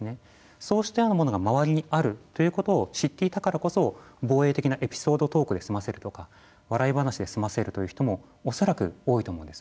そうしたようなものが周りにあるということを知っていたからこそ防衛的なエピソードトークで済ませるとか笑い話で済ませるという人も恐らく多いと思うんです。